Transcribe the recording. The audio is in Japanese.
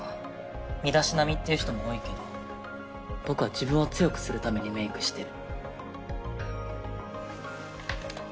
身だしなみっていう人も多いけど僕は自分を強くするためにメイクしてる。